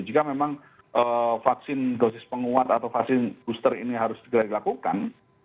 jika memang vaksin dosis penguat atau vaksin booster ini harus segera dilakukan